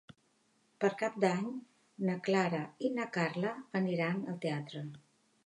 Per Cap d'Any na Clara i na Carla aniran al teatre.